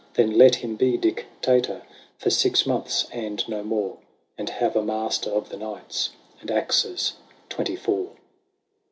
Then let him be Dictator For six months and no more. And have a Master of the Knights, And axes twenty four."